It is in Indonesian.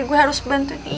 gue harus bantu dia